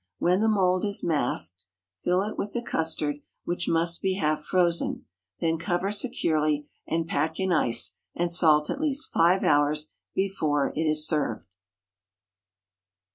When the mould is masked, fill it with the custard, which must be half frozen; then cover securely, and pack in ice and salt at least five hours before it is served.